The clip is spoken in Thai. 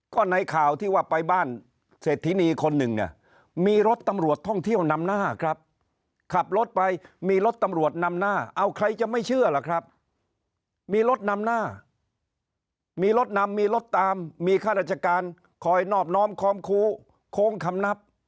ก็ในข่าวที่ว่าไปบ้านเศรษฐินีคนหนึ่งเนี่ยมีรถตำรวจท่องเที่ยวนำหน้าครับขับรถไปมีรถตำรวจนำหน้าเอาใครจะไม่เชื่อล่ะครับมีรถนำหน้ามีรถนำมีรถตามมีข้าราชการคอยนอบน้อมค้อมคูโค้งคำนับ